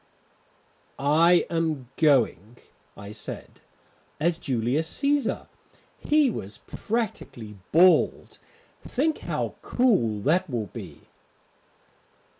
"I am going," I said, "as Julius Cæsar. He was practically bald. Think how cool that will be."